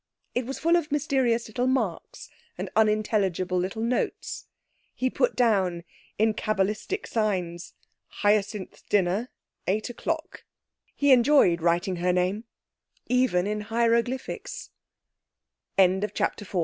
It was full of mysterious little marks and unintelligible little notes. He put down, in cabalistic signs, 'Hyacinth's dinner, eight o'clock.' He enjoyed writing her name, even in hieroglyphics. CHAPTER V A Proposal 'I say, Eugenia.'